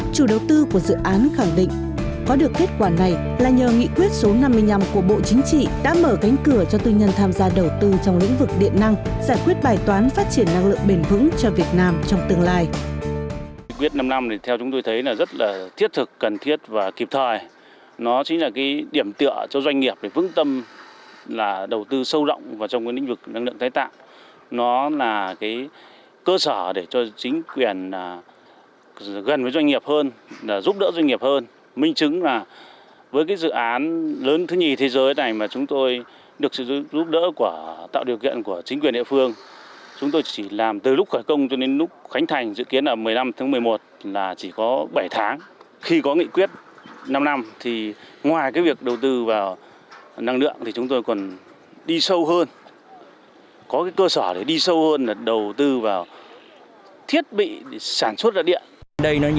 chủ đầu tư của dự án khẳng định có được kết quả này là nhờ nghị quyết số năm mươi năm của bộ chính trị đã mở cánh cửa cho tư nhân tham gia đầu tư trong lĩnh vực điện năng giải quyết bài toán phát triển năng giải quyết bài toán phát triển năng giải quyết bài toán phát triển năng giải quyết bài toán phát triển năng giải quyết bài toán phát triển năng giải quyết bài toán phát triển năng giải quyết bài toán phát triển năng giải quyết bài toán phát triển năng giải quyết bài toán phát triển năng giải quyết bài toán phát triển năng giải quyết b